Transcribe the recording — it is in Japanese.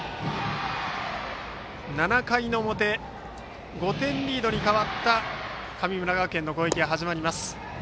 ７回の表、５点リードに変わった神村学園の攻撃が始まります。